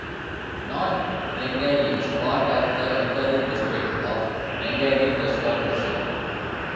North Glengarry is part of the electoral district of Glengarry-Prescott-Russell.